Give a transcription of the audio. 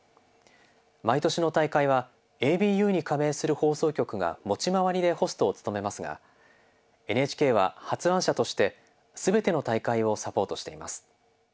毎年の大会はＡＢＵに加盟する放送局が持ち回りでホストを務めますがＮＨＫは発案者として全ての大会をサポートしています。